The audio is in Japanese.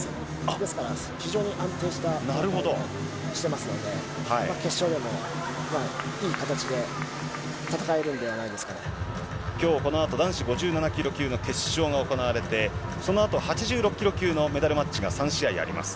ですから、非常に安定してますので、決勝でもいい形で戦えるんできょう、このあと男子５７キロ級の決勝が行われて、そのあと８６キロ級のメダルマッチが３試合あります。